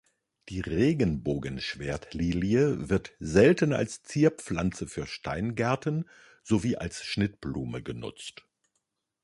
Die Regenbogen-Schwertlilie wird selten als Zierpflanze für Steingärten sowie als Schnittblume genutzt.